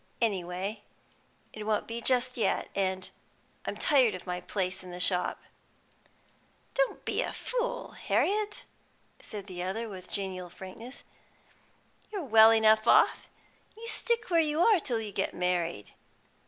Any way it won't be just yet, and I'm tired of my place in the shop." "Don't you be a fool, Harriet," said the other, with genial frankness. "You're well enough off. You stick where you are till you get married.